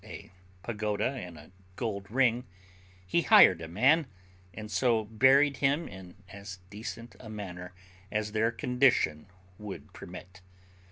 a pagoda and a gold ring, he hired a man, and so buried him in as decent a manner as their condition would permit.